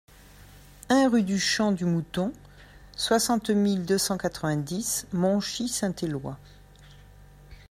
un rue du Champ du Mouton, soixante mille deux cent quatre-vingt-dix Monchy-Saint-Éloi